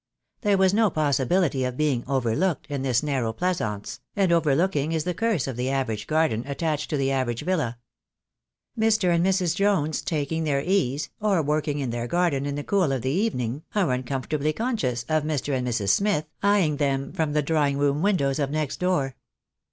There was no possibility of being "overlooked" in this narrow pleasaunce, and over looking is the curse of the average garden attached to the average villa. Mr. and Mrs. Jones, taking their ease, or working in their garden in the cool of the evening, are uncomfortably conscious of Mr. and Mrs. Smith eyeing them from the drawing room windows of next door.